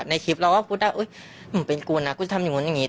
ในคลิปเราก็พูดได้อุ๊ยหนูเป็นกูนะกูจะทำอย่างงี้